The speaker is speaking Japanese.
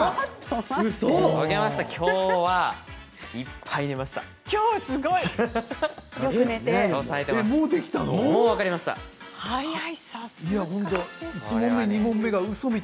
きょうはいっぱい寝ました。